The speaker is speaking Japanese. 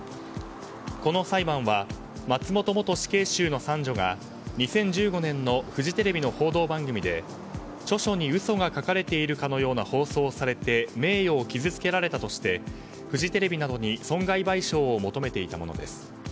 この裁判は松本元死刑囚の三女が２０１５年のフジテレビの報道番組で著書に嘘が書かれているかのような放送をされて名誉を傷つけられたとしてフジテレビなどに損害賠償を求めていたものです。